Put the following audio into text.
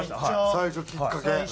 最初きっかけ。